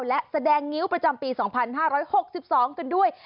และแสดงงิ้วประจำปี๒๕๖๒กันด้วย